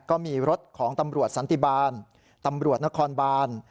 ก็มีรถของตำรวจสันติบาลตำรวจนครบาน